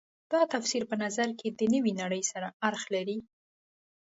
دا تفسیر په نظر کې د نوې نړۍ سره اړخ لري.